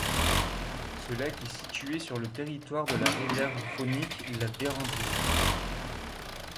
Ce lac est situé sur le territoire de la réserve faunique La Vérendrye.